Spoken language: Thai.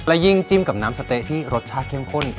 และยิ่งจิ้มกับน้ำสะเต๊ะที่รสชาติเข้มข้น